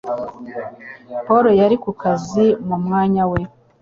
Pawulo yari ku kazi mu mwanya we